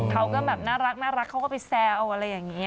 เขาก็แบบน่ารักเขาก็ไปแซวอะไรอย่างนี้